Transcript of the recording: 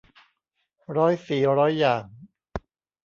ร้อยสีร้อยอย่าง